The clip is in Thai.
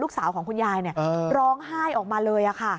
สาวของคุณยายร้องไห้ออกมาเลย